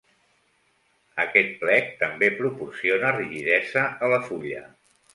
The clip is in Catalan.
Aquest plec també proporciona rigidesa a la fulla.